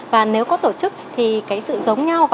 và nếu có tổ chức thì cái sự giống nhau